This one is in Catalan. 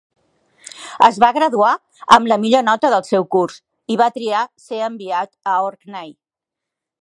Es va graduar amb la millor nota del seu curs i va triar ser enviat a Orkney.